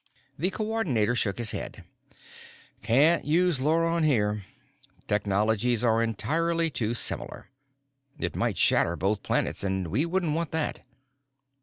The Coordinator shook his head. "Can't use Luron here. Technologies are entirely too similar. It might shatter both planets, and we wouldn't want that."